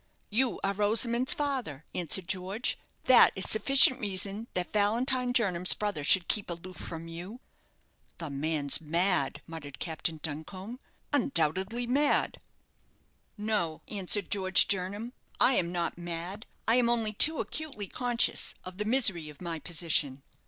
"You are Rosamond's father," answered George; "that is sufficient reason that Valentine Jernam's brother should keep aloof from you." "The man's mad," muttered Captain Duncombe; "undoubtedly mad." "No," answered George Jernam, "I am not mad I am only too acutely conscious of the misery of my position.